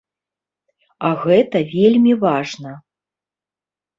А гэта вельмі важна.